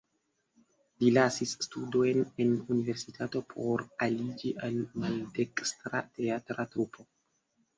Li lasis studojn en universitato por aliĝi al maldekstra teatra trupo.